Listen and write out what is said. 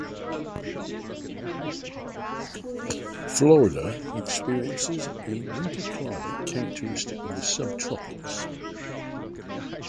Florida experiences a winter climate characteristic of the subtropics.